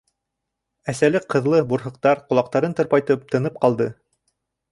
Әсәле-ҡыҙлы бурһыҡтар, ҡолаҡтарын тырпайтып, тынып ҡалды.